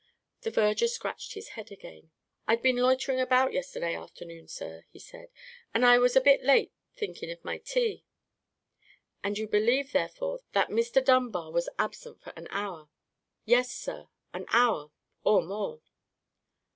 The verger scratched his head again. "I'd been loiterin' about yesterday afternoon, sir," he said; "and I was a bit late thinkin' of my tea." "And you believe, therefore, that Mr. Dunbar was absent for an hour?" "Yes, sir; an hour—or more."